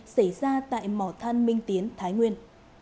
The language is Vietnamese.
xảy ra tại mò than minh tiến thái nguyên